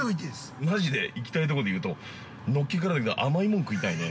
◆マジで、行きたいとこで言うと、のっけから言うと甘いもん食いたいね。